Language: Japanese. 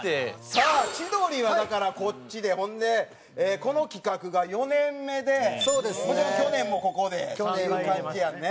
さあ千鳥はだからこっちでほんでこの企画が４年目でもちろん去年もここでという感じやんね。